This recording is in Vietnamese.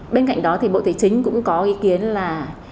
bên cạnh đó thì bộ tài chính cũng có ý kiến là